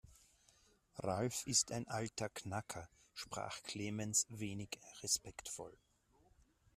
Ralf ist ein alter Knacker, sprach Clemens wenig respektvoll.